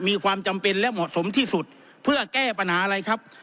มีความจำเป็นและเหมาะสมที่สุดเพื่อแก้ปัญหาอะไรครับ